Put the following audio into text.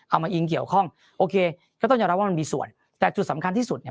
มาอิงเกี่ยวข้องโอเคก็ต้องยอมรับว่ามันมีส่วนแต่จุดสำคัญที่สุดเนี่ย